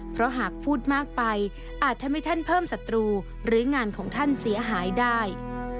เพราะหากพูดมากไปอาจทำให้ท่านเพิ่มศัตรูหรืองานของท่านเสียหายได้